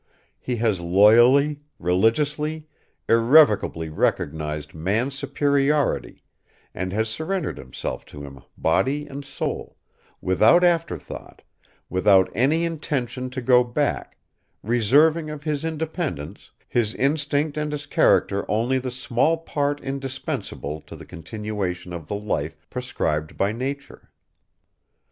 He has loyally, religiously, irrevocably recognized man's superiority and has surrendered himself to him body and soul, without after thought, without any intention to go back, reserving of his independence, his instinct and his character only the small part indispensable to the continuation of the life prescribed by nature.